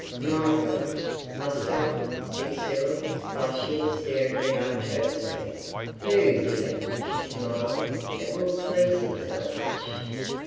(My God!) "Must I?" said Cyril, blushing and staring at Aunt Josephine. "Do, dear," she smiled. "It will please him so much."